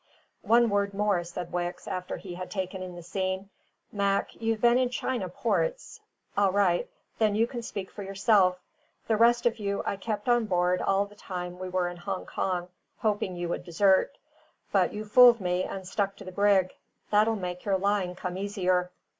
"One word more," said Wicks, after he had taken in the scene. "Mac, you've been in China ports? All right; then you can speak for yourself. The rest of you I kept on board all the time we were in Hongkong, hoping you would desert; but you fooled me and stuck to the brig. That'll make your lying come easier."